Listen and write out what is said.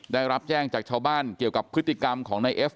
ได้รับแจ้งจากชาวบ้านเกี่ยวกับพฤติกรรมของนายเอฟ